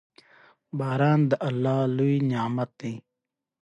د باران ورېځ!